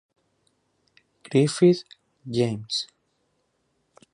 Griffith, James.